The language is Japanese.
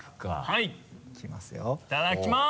いただきます！